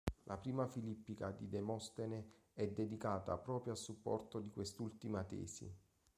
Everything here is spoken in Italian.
La I Filippica di Demostene è dedicata proprio a supporto di quest'ultima tesi.